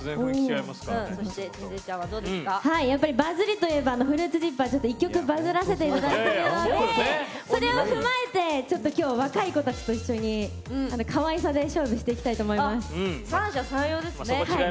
バズりといえばＦＲＵＩＴＳＺＩＰＰＥＲ１曲、バズらせていただいているのでそれを踏まえて、今日はちょっと若い子たちと一緒にかわいさで勝負していきたいと思います。